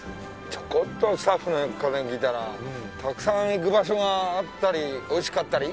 ちょこっとスタッフに加減聞いたらたくさん行く場所があったり美味しかったり？